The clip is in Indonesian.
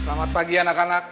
selamat pagi anak anak